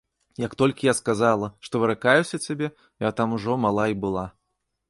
Як толькі я сказала, што выракаюся цябе, я там ужо мала і была.